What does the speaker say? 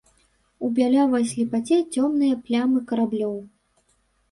У бялявай слепаце цёмныя плямы караблёў.